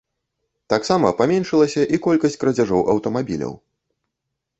Таксама паменшылася і колькасць крадзяжоў аўтамабіляў.